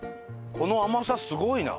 この甘さすごいな！